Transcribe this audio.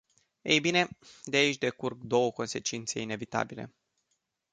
Ei bine, de aici decurg două consecințe inevitabile.